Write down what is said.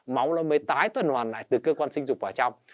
máu nó mới tái tuần hoàn lại từ cơ quan sinh dục vào trong